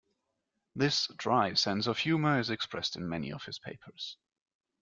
This dry sense of humour is expressed in many of his papers.